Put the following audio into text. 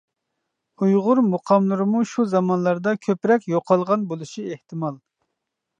ئۇيغۇر مۇقاملىرىمۇ شۇ زامانلاردا كۆپرەك يوقالغان بولۇشى ئېھتىمال.